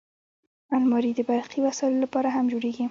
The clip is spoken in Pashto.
الماري د برقي وسایلو لپاره هم جوړیږي